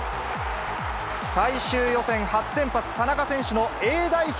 最終予選初先発、田中選手のＡ代表